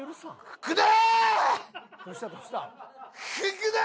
福田？